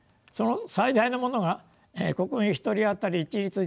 その最大のものが国民１人当たり一律